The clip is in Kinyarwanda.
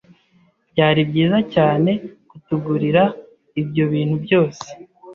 Byari byiza cyane kutugurira ibyo bintu byose.